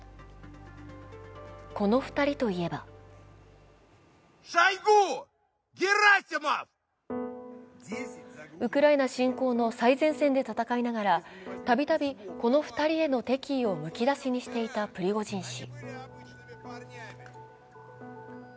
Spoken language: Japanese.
この２人といえばウクライナ侵攻の最前線で戦いながら、たびたびこの２人への敵意をむき出しにしていたプリゴジン氏。